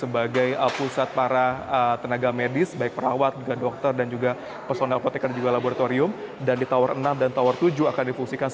baik dari bagaimana